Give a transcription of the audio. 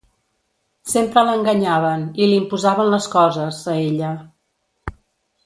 Sempre l'enganyaven i li imposaven les coses, a ella.